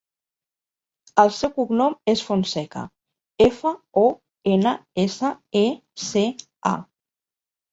El seu cognom és Fonseca: efa, o, ena, essa, e, ce, a.